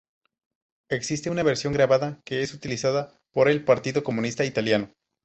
Existe una versión grabada que es utilizada por el Partido Comunista Italiano.